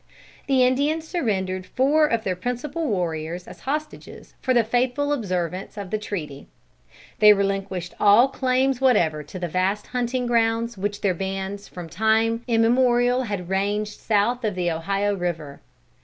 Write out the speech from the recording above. The Indians surrendered four of their principal warriors as hostages for the faithful observance of the treaty. They relinquished all claims whatever to the vast hunting grounds which their bands from time immemorial had ranged south of the Ohio river.